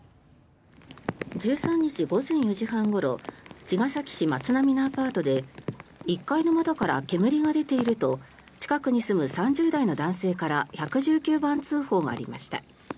１３日午前４時半ごろ茅ヶ崎市松浪のアパートで１階の窓から煙が出ていると近くに住む３０代の男性から１１９番通報がありました。